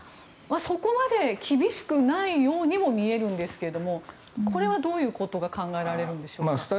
そこまで厳しくないようにも見えるんですけどもこれはどういうことが考えられるんでしょうか。